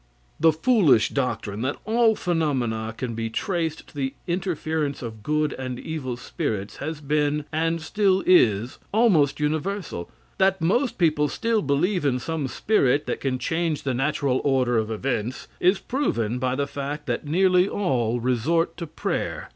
The foolish doctrine that all phenomena can be traced to the interference of good and evil spirits, has been, and still is, almost universal. That most people still believe in some spirit that can change the natural order of events, is proven by the fact that nearly all resort to prayer.